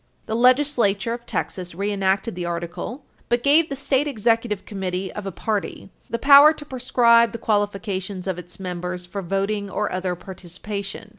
The legislature of Texas reenacted the article, but gave the State Executive Committee of a party the power to prescribe the qualifications of its members for voting or other participation.